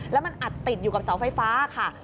แล้วมันอัดติดอยู่กับเสาไฟฟ้าค่ะ